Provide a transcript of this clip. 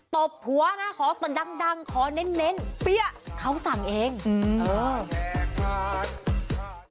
ตบหัวนะขอแต่ดังดังขอเน้นเปี้ยเขาสั่งเองอืมเออ